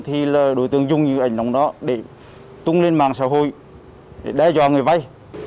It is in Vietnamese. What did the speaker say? thì là đối tượng dùng những ảnh nóng đó để tung lên mạng xã hội để đe dọa người vay